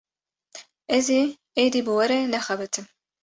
Ez ê êdî bi we re nexebitim.